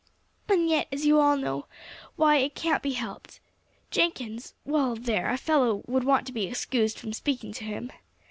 "And yet, as you all know, why, it can't be helped. Jenkins well there, a fellow would want to be excused from speaking to him.